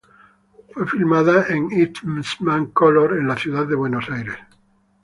Fue filmada en Eastmancolor en la Ciudad de Buenos Aires.